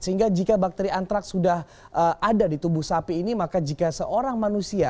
sehingga jika bakteri antraks sudah ada di tubuh sapi ini maka jika seorang manusia